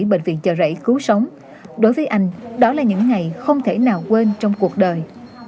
bệnh viện chợ rẫy cứu sống đối với anh đó là những ngày không thể nào quên trong cuộc đời